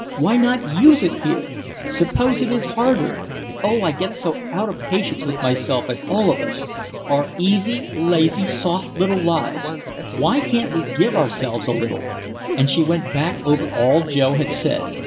Why not use it here? Suppose it is harder! Oh, I get so out of patience with myself and all of us! Our easy, lazy, soft little lives! Why can't we give ourselves a little?" And she went back over all Joe had said.